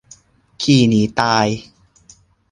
ขี่หนีตาย